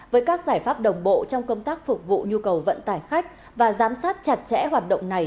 với các giải pháp đồng bộ trong công tác phục vụ nhu cầu vận tải khách và giám sát chặt chẽ hoạt động này